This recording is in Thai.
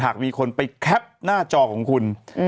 มีคนไปแคปหน้าจอของคุณ